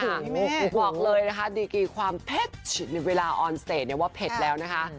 บอกเลยนะคะดีกีความเผ็ดในเวลาออนเซตเนี่ยว่าเผ็ดแล้วนะคะ